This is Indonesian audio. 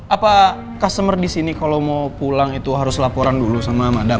apa customer di sini kalau mau pulang itu harus laporan dulu sama madang